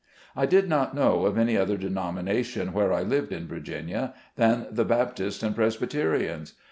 I did not know of any other denomination where I lived in Virginia, than the Baptists and Presbyte rians.